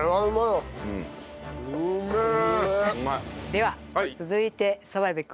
では続いて澤部君。